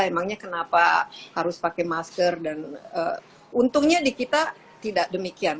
emangnya kenapa harus pakai masker dan untungnya di kita tidak demikian